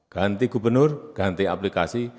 ganti gubernur ganti aplikasi